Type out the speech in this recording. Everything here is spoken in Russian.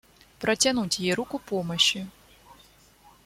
Протянуть ей руку помощи.